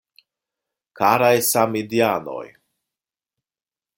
Karaj Samideanoj!